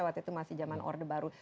waktu itu masih zaman orde baru